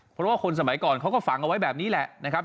เพราะว่าคนสมัยก่อนเขาก็ฝังเอาไว้แบบนี้แหละนะครับ